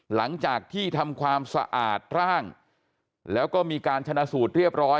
หลังจากที่ทำความสะอาดร่างแล้วก็มีการชนะสูตรเรียบร้อย